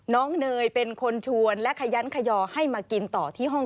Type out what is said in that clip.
เนยเป็นคนชวนและขยันขยอให้มากินต่อที่ห้อง